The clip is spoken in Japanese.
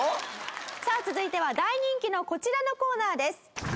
さあ続いては大人気のこちらのコーナーです。